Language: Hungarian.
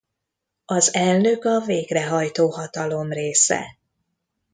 Az elnök a végrehajtó hatalom része.